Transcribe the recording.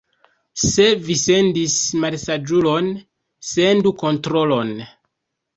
Se vi sendis malsaĝulon, sendu kontrolon.